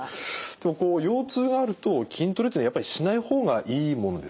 でもこう腰痛があると筋トレっていうのはやっぱりしない方がいいものですか？